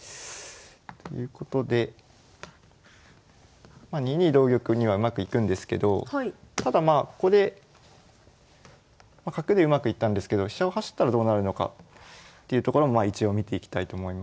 ということでまあ２二同玉にはうまくいくんですけどただまあここで角でうまくいったんですけどというところも一応見ていきたいと思います。